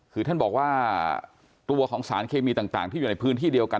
คือท่านบอกว่าตัวของสารเคมีต่างที่อยู่ในพื้นที่เดียวกัน